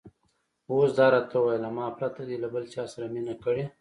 اوس دا راته ووایه، له ما پرته دې له بل چا سره مینه کړې؟